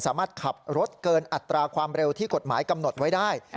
สามารถขับรถเกินอัตราความเร็วที่กฎหมายกำหนดไว้ได้